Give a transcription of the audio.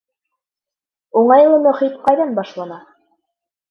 — Уңайлы мөхит ҡайҙан башлана?